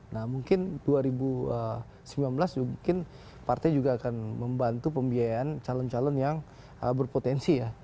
nah mungkin dua ribu sembilan belas mungkin partai juga akan membantu pembiayaan calon calon yang berpotensi ya